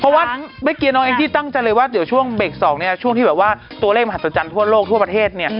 เพราะว่าเมื่อกี้น้องแองจี้ตั้งใจเลยว่าเดี๋ยวช่วงเบรก๒เนี่ยช่วงที่แบบว่าตัวเลขมหัศจรรย์ทั่วโลกทั่วประเทศเนี่ย